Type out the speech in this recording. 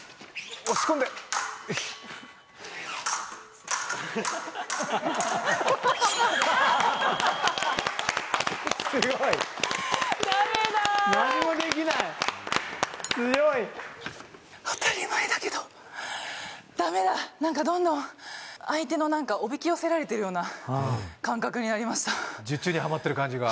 押し込んで・すごいダメだ何もできない強い当たり前だけどダメだなんかどんどん相手のなんかおびき寄せられてるような感覚になりました術中にはまってる感じが？